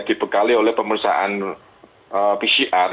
dibekali oleh pemeriksaan pcr